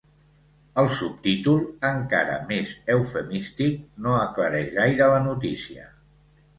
El subtítol, encara més eufemístic, no aclareix gaire la notícia.